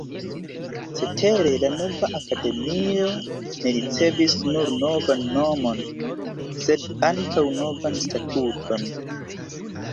Cetere la nova Akademio ne ricevis nur novan nomon, sed ankaŭ novan statuton.